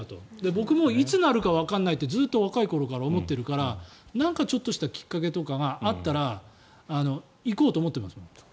僕もいつなるかわからないってずっと若い頃から思っているから何かちょっとしたきっかけがあったら行こうと思っています。